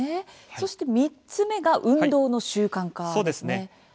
そして３つ目が運動の習慣化ですね。